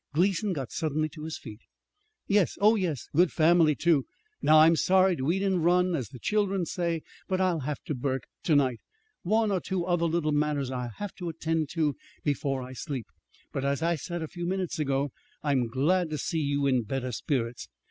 Gleason got suddenly to his feet. "Yes, oh, yes. Good family, too! Now I'm sorry to eat and run, as the children say, but I'll have to, Burke, to night. One or two other little matters I'll have to attend to before I sleep. But, as I said a few minutes ago, I'm glad to see you in better spirits.